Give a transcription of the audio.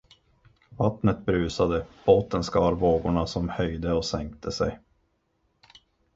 Vattnet brusade, båten skar vågorna, som höjde och sänkte sig.